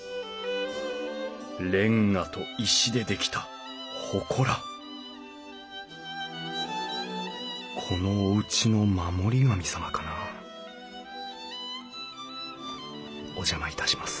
レンガと石で出来たほこらこのおうちの守り神様かなお邪魔いたします